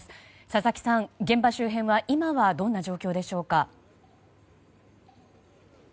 佐々木さん、現場周辺は今はどんな状況でしょうか。